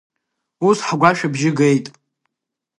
Ус ҳгәашә абжьы геит.